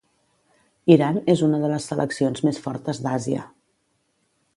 Iran és una de les seleccions més fortes d'Àsia.